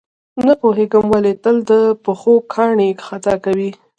نه پوهېږم ولې تل له پښو کاڼي خطا کوي.